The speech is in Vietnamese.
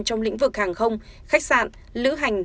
trong lĩnh vực hàng không khách sạn lữ hành